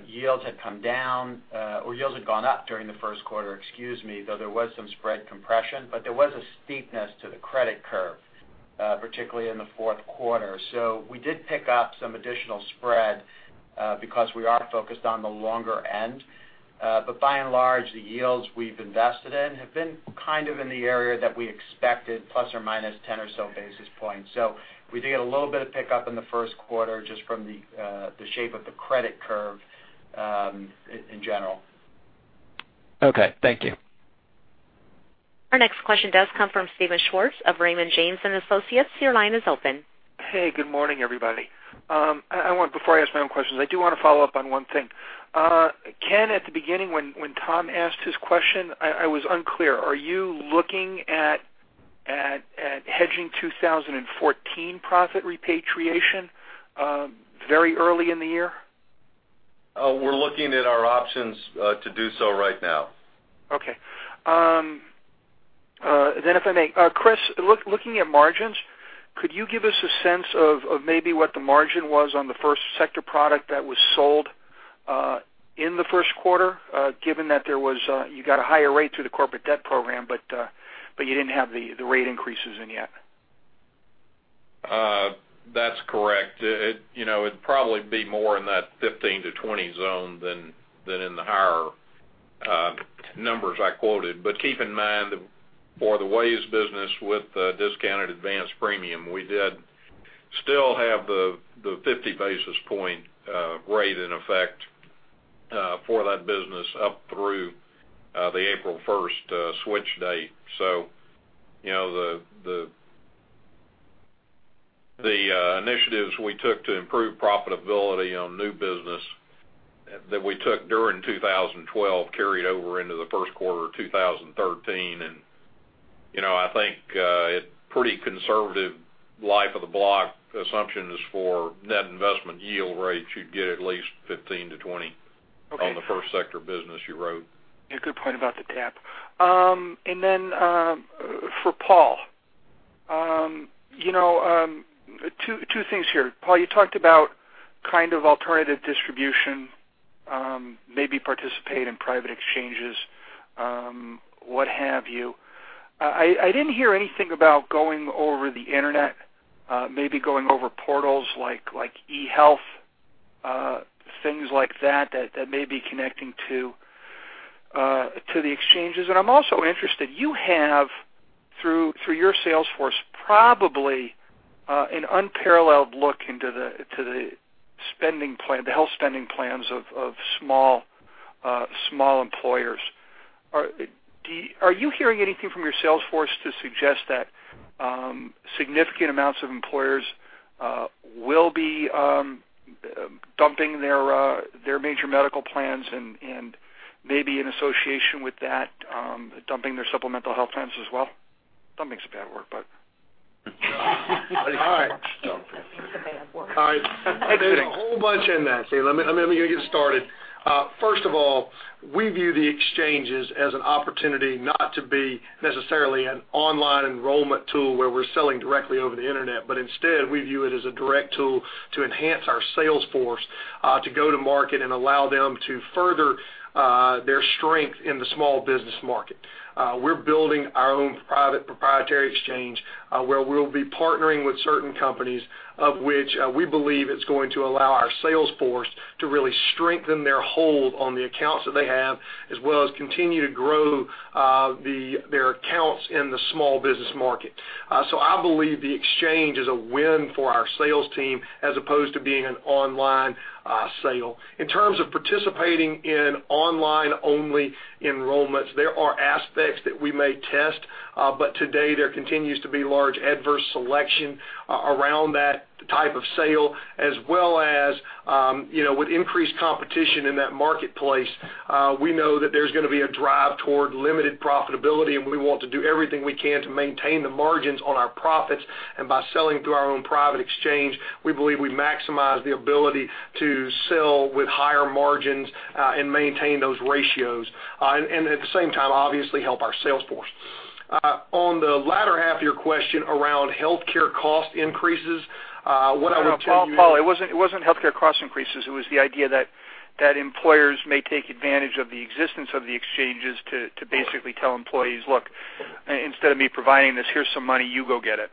yields had come down, or yields had gone up during the first quarter, excuse me, though there was some spread compression, but there was a steepness to the credit curve particularly in the fourth quarter. So we did pick up some additional spread because we are focused on the longer end. But by and large, the yields we've invested in have been in the area that we expected, plus or minus 10 or so basis points. We did get a little bit of pickup in the first quarter just from the shape of the credit curve in general. Okay, thank you. Our next question does come from Steven Schwartz of Raymond James & Associates. Your line is open. Hey, good morning, everybody. Before I ask my own questions, I do want to follow up on one thing. Ken, at the beginning when Tom asked his question, I was unclear. Are you looking at hedging 2014 profit repatriation very early in the year? We're looking at our options to do so right now. Okay. If I may, Kriss, looking at margins, could you give us a sense of maybe what the margin was on the first sector product that was sold in the first quarter, given that you got a higher rate through the Corporate Debt Program, but you didn't have the rate increases in yet? That's correct. It'd probably be more in that 15-20 zone than in the higher numbers I quoted. Keep in mind, for the WAYS business with the discounted advance premium, we did still have the 50 basis point rate in effect for that business up through the April 1st switch date. The initiatives we took to improve profitability on new business that we took during 2012 carried over into the first quarter of 2013. I think a pretty conservative life of the block assumption is for net investment yield rates, you'd get at least 15-20 on the first sector business you wrote. Yeah, good point about the DAP. For Paul, two things here. Paul, you talked about alternative distribution, maybe participate in private exchanges, what have you. I didn't hear anything about going over the internet, maybe going over portals like eHealth, things like that may be connecting to the exchanges. I'm also interested, you have through your sales force, probably an unparalleled look into the health spending plans of small employers. Are you hearing anything from your sales force to suggest that significant amounts of employers will be dumping their major medical plans and maybe in association with that, dumping their supplemental health plans as well? All right. There's a whole bunch in that, Steve. Let me get started. First of all, we view the exchanges as an opportunity not to be necessarily an online enrollment tool where we're selling directly over the internet, but instead, we view it as a direct tool to enhance our sales force to go to market and allow them to further their strength in the small business market. We're building our own private proprietary exchange, where we'll be partnering with certain companies of which we believe it's going to allow our sales force to really strengthen their hold on the accounts that they have, as well as continue to grow their accounts in the small business market. I believe the exchange is a win for our sales team as opposed to being an online sale. In terms of participating in online only enrollments, there are aspects that we may test, but today there continues to be large adverse selection around that type of sale, as well as with increased competition in that marketplace, we know that there's going to be a drive toward limited profitability, and we want to do everything we can to maintain the margins on our profits. By selling through our own private exchange, we believe we maximize the ability to sell with higher margins, and maintain those ratios. At the same time, obviously help our sales force. On the latter half of your question around healthcare cost increases, what I would tell you. Paul, it wasn't healthcare cost increases. It was the idea that employers may take advantage of the existence of the exchanges to basically tell employees, "Look, instead of me providing this, here's some money. You go get it.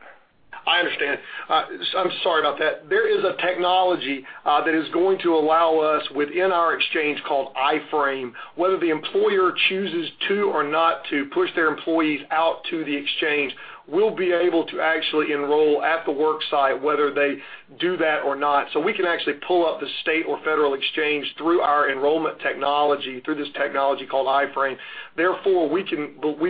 I understand. I'm sorry about that. There is a technology that is going to allow us within our exchange called iFrame, whether the employer chooses to or not to push their employees out to the exchange, we'll be able to actually enroll at the work site, whether they do that or not. We can actually pull up the state or federal exchange through our enrollment technology, through this technology called iFrame. Therefore, we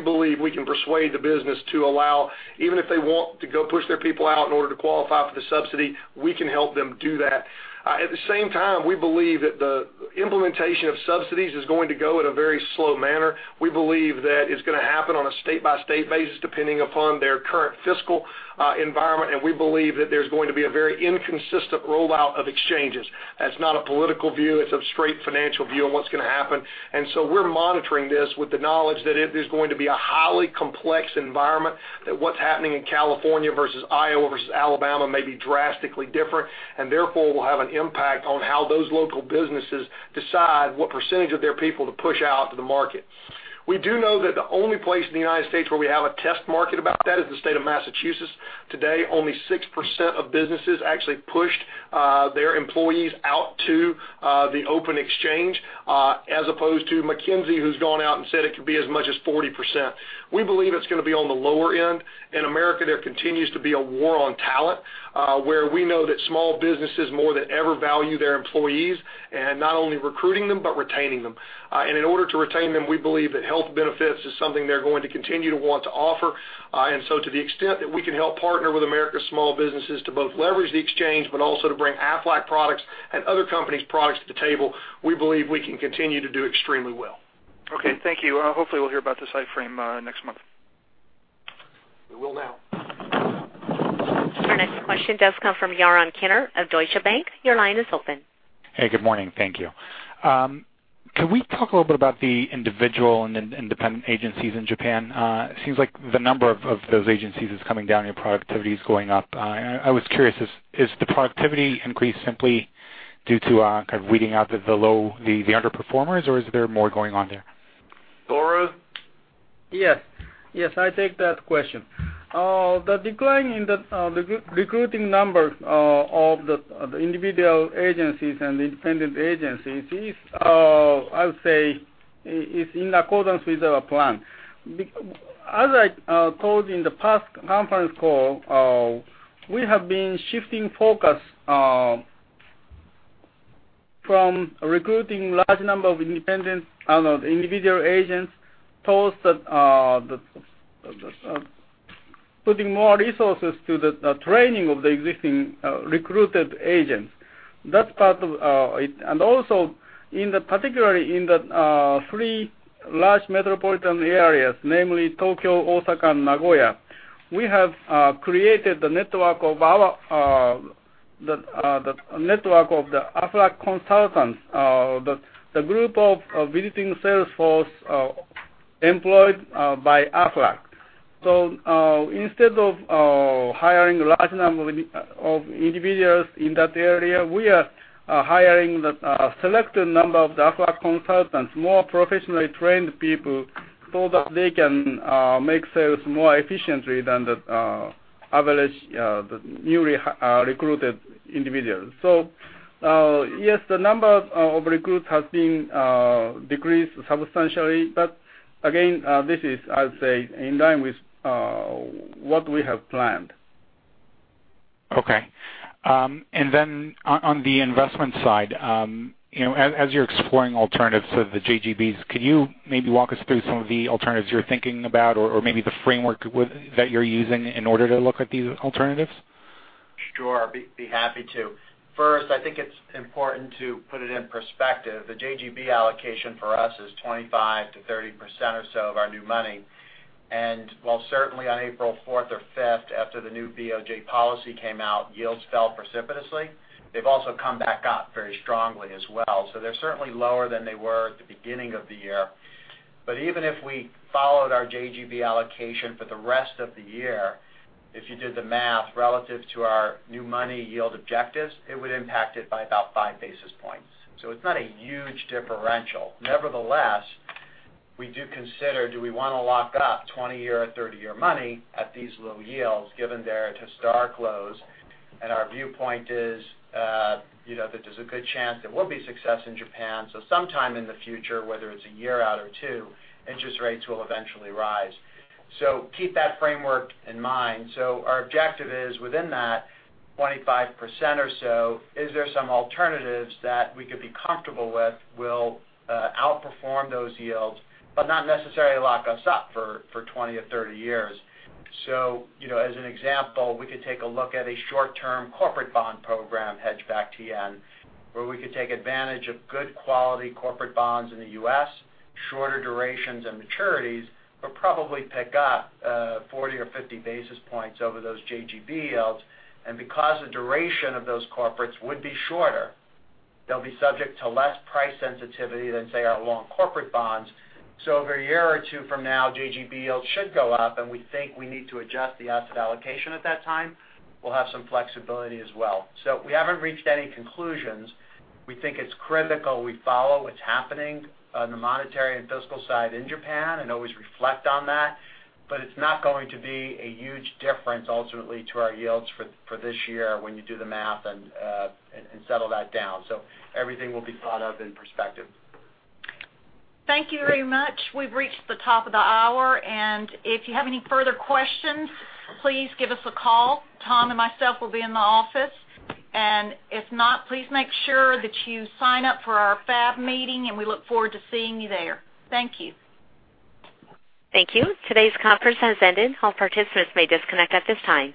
believe we can persuade the business to allow, even if they want to go push their people out in order to qualify for the subsidy, we can help them do that. At the same time, we believe that the implementation of subsidies is going to go at a very slow manner. We believe that it's going to happen on a state-by-state basis, depending upon their current fiscal environment, and we believe that there's going to be a very inconsistent rollout of exchanges. That's not a political view. It's a straight financial view on what's going to happen. We're monitoring this with the knowledge that it is going to be a highly complex environment, that what's happening in California versus Iowa versus Alabama may be drastically different, and therefore will have an impact on how those local businesses decide what percentage of their people to push out to the market. We do know that the only place in the U.S. where we have a test market about that is the state of Massachusetts. Today, only 6% of businesses actually pushed their employees out to the open exchange as opposed to McKinsey, who's gone out and said it could be as much as 40%. We believe it's going to be on the lower end. In America, there continues to be a war on talent. Where we know that small businesses, more than ever, value their employees and not only recruiting them but retaining them. In order to retain them, we believe that health benefits is something they're going to continue to want to offer. To the extent that we can help partner with America's small businesses to both leverage the exchange but also to bring Aflac products and other companies' products to the table, we believe we can continue to do extremely well. Okay, thank you. Hopefully we'll hear about this iFrame next month. We will now. Our next question does come from Yaron Kiner of Deutsche Bank. Your line is open. Hey, good morning. Thank you. Can we talk a little bit about the individual and independent agencies in Japan? It seems like the number of those agencies is coming down, your productivity is going up. I was curious, is the productivity increase simply due to kind of weeding out the underperformers, or is there more going on there? Tohru? Yes. I take that question. The decline in the recruiting numbers of the individual agencies and the independent agencies is, I'll say, is in accordance with our plan. As I told in the past conference call, we have been shifting focus from recruiting large number of individual agents towards putting more resources to the training of the existing recruited agents. That's part of it, and also particularly in the three large metropolitan areas, namely Tokyo, Osaka, and Nagoya, we have created the network of the Aflac Consultants, the group of visiting sales force employed by Aflac. Instead of hiring a large number of individuals in that area, we are hiring a selected number of the Aflac Consultants, more professionally trained people so that they can make sales more efficiently than the average newly recruited individuals. Yes, the number of recruits has been decreased substantially, but again, this is, I'll say, in line with what we have planned. Okay. On the investment side, as you're exploring alternatives to the JGBs, could you maybe walk us through some of the alternatives you're thinking about or maybe the framework that you're using in order to look at these alternatives? Sure. Be happy to. First, I think it's important to put it in perspective. The JGB allocation for us is 25%-30% or so of our new money. While certainly on April 4th or 5th, after the new BOJ policy came out, yields fell precipitously, they've also come back up very strongly as well. They're certainly lower than they were at the beginning of the year. Even if we followed our JGB allocation for the rest of the year, if you did the math relative to our new money yield objectives, it would impact it by about five basis points. It's not a huge differential. Nevertheless, we do consider, do we want to lock up 20-year or 30-year money at these low yields given they're at historic lows? Our viewpoint is that there's a good chance there will be success in Japan. Sometime in the future, whether it's a year out or two, interest rates will eventually rise. Keep that framework in mind. Our objective is within that 25% or so, is there some alternatives that we could be comfortable with will outperform those yields but not necessarily lock us up for 20 or 30 years? As an example, we could take a look at a short-term corporate bond program hedged back to yen where we could take advantage of good quality corporate bonds in the U.S., shorter durations and maturities, but probably pick up 40 or 50 basis points over those JGB yields. Because the duration of those corporates would be shorter, they'll be subject to less price sensitivity than, say, our long corporate bonds. Over a year or two from now, JGB yields should go up, and we think we need to adjust the asset allocation at that time. We'll have some flexibility as well. We haven't reached any conclusions. We think it's critical we follow what's happening on the monetary and fiscal side in Japan and always reflect on that. It's not going to be a huge difference ultimately to our yields for this year when you do the math and settle that down. Everything will be thought of in perspective. Thank you very much. We've reached the top of the hour. If you have any further questions, please give us a call. Tom and myself will be in the office. If not, please make sure that you sign up for our FAB meeting, and we look forward to seeing you there. Thank you. Thank you. Today's conference has ended. All participants may disconnect at this time.